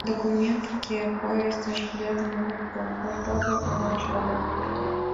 Документет уке — поездыш билетым огыт пу, портовый олаш огыт пурто.